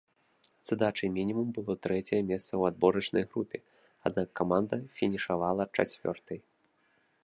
Задачай-мінімум было трэцяе месца ў адборачнай групе, аднак каманда фінішавала чацвёртай.